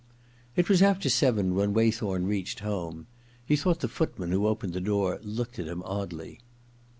It was after seven when Waythorn reached home. He thought the footman who opened the door looked at him oddly.